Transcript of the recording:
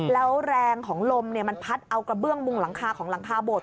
แล้วแรงของลมมันพัดเอากระเบื้องมุงหลังคาของหลังคาโบด